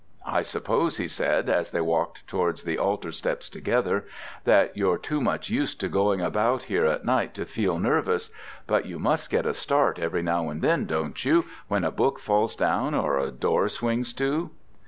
"I suppose," he said, as they walked towards the altar steps together, "that you're too much used to going about here at night to feel nervous but you must get a start every now and then, don't you, when a book falls down or a door swings to."